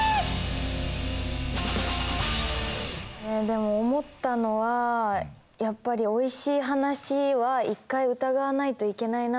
でも思ったのはやっぱりおいしい話は一回疑わないといけないなって思いましたね。